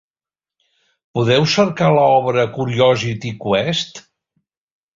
Podeu cercar l'obra Curiosity Quest?